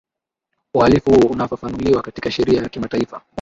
uhalifu huo unafafanuliwa katika sheria ya kimataifa